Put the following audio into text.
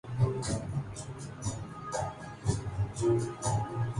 ہر اطراف میں جو گندگی بکھری پڑی ہے۔